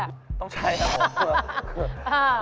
ต้องใช้